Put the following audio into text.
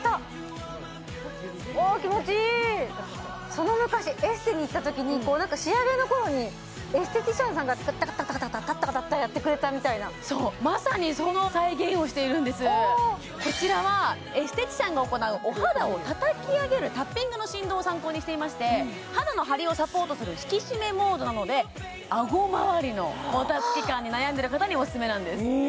その昔エステに行ったときに仕上げの頃にエステティシャンさんがタッタカタッタタッタカタッタやってくれたみたいなそうまさにその再現をしているんですこちらはエステティシャンが行うお肌をたたき上げるタッピングの振動を参考にしていまして肌のハリをサポートする引き締めモードなので顎周りのもたつき感に悩んでる方にオススメなんですい